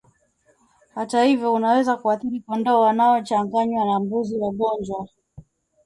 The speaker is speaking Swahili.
Hata hivyo unaweza kuathiri kondoo wanaochanganywa na mbuzi wagonjwa